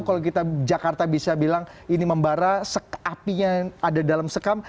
kalau kita jakarta bisa bilang ini membara apinya ada dalam sekam